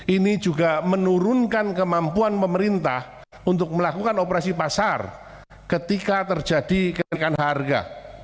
ini juga menurunkan kemampuan pemerintah untuk melakukan operasi pasar ketika terjadi kenaikan harga